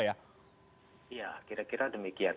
ya kira kira demikian